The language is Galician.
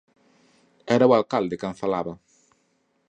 Era o alcalde quen falaba.